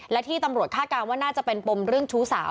และที่ตำรวจคาดการณ์ว่าน่าจะเป็นปมเรื่องชู้สาว